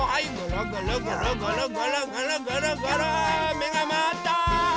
めがまわった！